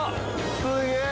すげえ！